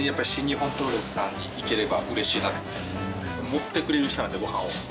盛ってくれる人なのでご飯を。